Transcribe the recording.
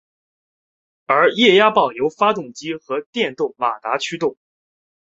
而液压泵由发动机或者电动马达驱动。